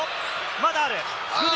まだある！